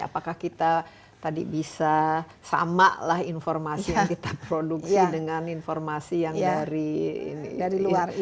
apakah kita tadi bisa samalah informasi yang kita produksi dengan informasi yang dari luar